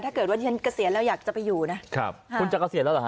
ถ้าเกิดว่าฉันเกษียณแล้วอยากจะไปอยู่นะครับคุณจะเกษียณแล้วเหรอฮ